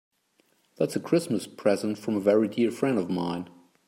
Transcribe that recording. That's a Christmas present from a very dear friend of mine.